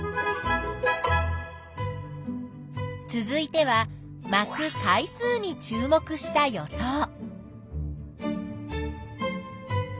続いては「まく回数」に注目した予想。